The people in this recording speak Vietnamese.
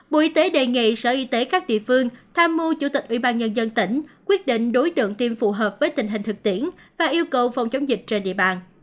bộ y tế đề nghị sở y tế các địa phương tham mưu chủ tịch ủy ban nhân dân tỉnh quyết định đối tượng tiêm phù hợp với tình hình thực tiễn và yêu cầu phòng chống dịch trên địa bàn